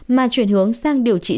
mà chuyển hướng sang điều trị sớm